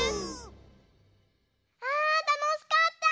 あたのしかった！ね。